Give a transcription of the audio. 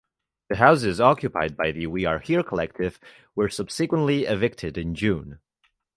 The houses occupied by the We Are Here collective were subsequently evicted in June.